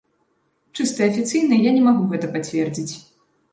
Чыста афіцыйна я не магу гэта пацвердзіць.